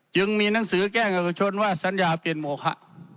จึงมีหนังสือแจ้งเอกชนว่าสัญญาเปลี่ยนโมคะ